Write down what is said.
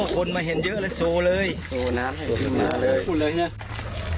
คนมาเห็นเยอะเลยโซลเลยเส้คน้ำให้ขึ้นมาเลย